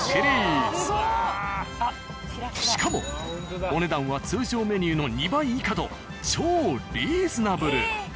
しかもお値段は通常メニューの２倍以下と超リーズナブル。